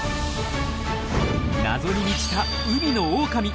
謎に満ちた海のオオカミ。